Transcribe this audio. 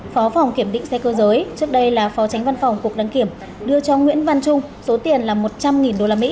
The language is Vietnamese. phó phòng kiểm định xe cơ giới trước đây là phó tránh văn phòng cục đăng kiểm đưa cho nguyễn văn trung số tiền là một trăm linh usd